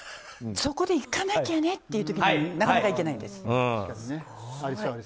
そこでいかなきゃねという時になかなかいけないんです。